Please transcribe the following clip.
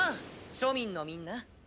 庶民のみんな。